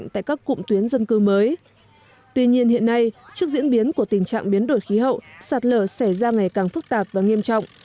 tuy nhiên hiện nay trước diễn biến của tình trạng biến đổi khí hậu sạt lở xảy ra ngày càng phức tạp và nghiêm trọng